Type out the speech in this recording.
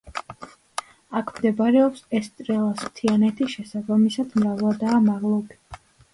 აქ მდებარეობს ესტრელას მთიანეთი შესაბამისად მრავლადაა მაღლობი.